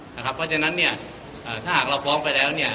เพราะฉะนั้นถ้าหากเราฟ้องไปแล้ว